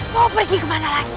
mau pergi kemana lagi